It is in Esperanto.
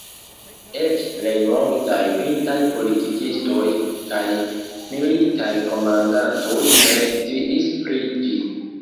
Eĉ plej multaj pintaj politikistoj kaj militaj komandantoj ne sciis pri ĝi.